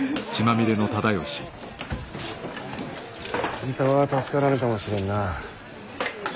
じい様は助からぬかもしれんな。